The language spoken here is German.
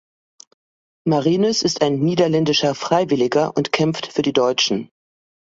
Marinus ist ein niederländischer Freiwilliger und kämpft für die Deutschen.